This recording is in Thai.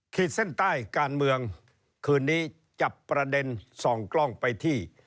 ขีดเส้นใต้การเมืองคืนนี้จับประเด็นส่องกล้องไปที่